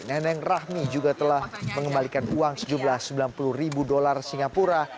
neneng rahmi juga telah mengembalikan uang sejumlah sembilan puluh ribu dolar singapura